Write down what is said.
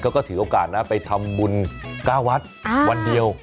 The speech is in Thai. เขาก็ถือโอกาสนะไปทำบุญ๙วัดวันเดียว